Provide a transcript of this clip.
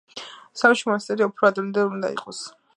სინამდვილეში მონასტერი უფრო ადრინდელი უნდა იყოს.